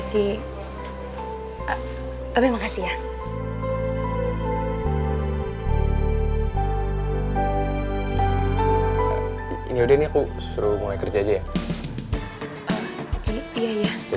sampai jumpa di video selanjutnya